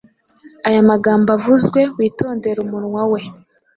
Aya magambo avuzwewitondere umunwa we